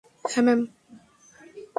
হ্যা, ম্যাম!